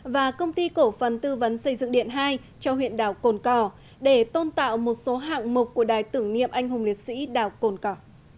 và công ty cổ phần tư vấn xây dựng điện hai cho huyện đảo cồn cỏ để tôn tạo một số hạng mục của đài tưởng niệm anh hùng liệt sĩ đảo cồn cỏ